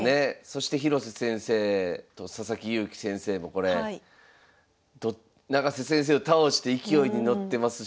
そして広瀬先生と佐々木勇気先生もこれ永瀬先生を倒して勢いに乗ってますし。